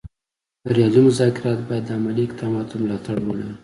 بریالي مذاکرات باید د عملي اقداماتو ملاتړ ولري